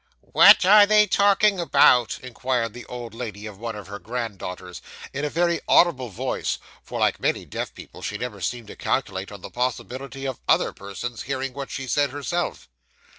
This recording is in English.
'What are they talking about?' inquired the old lady of one of her granddaughters, in a very audible voice; for, like many deaf people, she never seemed to calculate on the possibility of other persons hearing what she said herself.